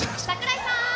櫻井さん。